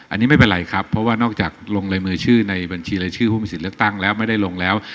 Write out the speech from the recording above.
อันนี้ไม่เป็นไรครับเพราะว่านอกจากลงลายมือชื่อในบัญชีรายชื่อผู้มีสิทธิ์เลือกตั้งแล้วไม่ได้ลงแล้ว